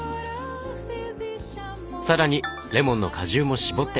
更にレモンの果汁も搾って。